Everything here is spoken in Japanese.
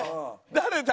誰だ？